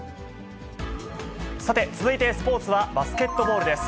さて、続いてスポーツはバスケットボールです。